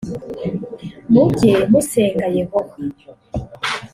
mujye musenga yehova